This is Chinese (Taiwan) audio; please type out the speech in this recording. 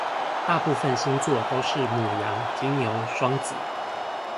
大部分星座都是牡羊金牛雙子